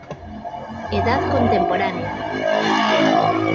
Edad contemporánea.